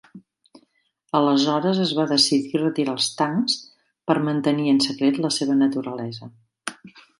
Aleshores es va decidir retirar els tancs per mantenir en secret la seva naturalesa.